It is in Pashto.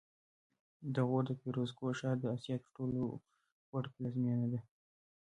د غور د فیروزکوه ښار د اسیا تر ټولو لوړ پلازمېنه وه